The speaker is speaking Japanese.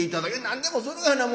「何でもするがな